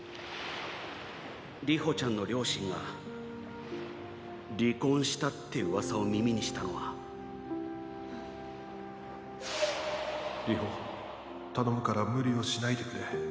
流星ちゃんの両親が離婚したってうわさを耳にしたのは流星頼むから無理をしないでくれ。